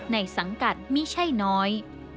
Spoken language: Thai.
ในสังกัดมิใช่น้อย